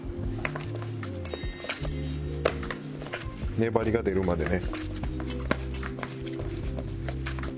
粘りが出るまでね。